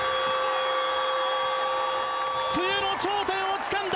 冬の頂点をつかんだ！